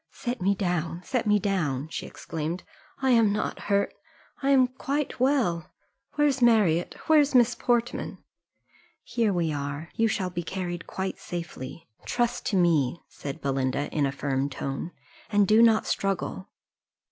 "Set me down, set me down," she exclaimed: "I am not hurt I am quite well, Where's Marriott? Where's Miss Portman?" "Here we are you shall be carried quite safely trust to me," said Belinda, in a firm tone, "and do not struggle."